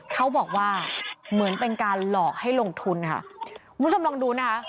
เขาบอกว่าเหมือนเป็นการหลอกให้ลงทุนค่ะคุณผู้ชมลองดูนะคะ